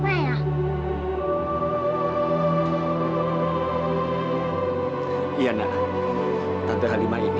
perkenalkan tante halimah aku sita